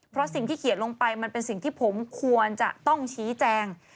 เพราะสิ่งที่เขียนลงไปมันเป็นสิ่งที่ผมควรจะต้องชี้แจง